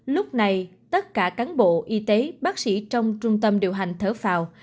lúc này tất cả cán bộ y tế bác sĩ trong trung tâm điều hành thở phào